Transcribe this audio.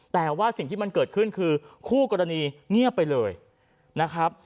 แต่ว่าสิ่งที่มันเกิดขึ้นคือคู่กรณีเงียบไปเลยนะครับ